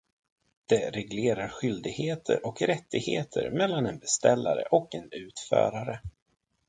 Det reglerar skyldigheter och rättigheter mellan en beställare och en utförare.